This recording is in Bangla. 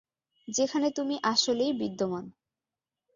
যেখানে তুমি আসলেই বিদ্যমান।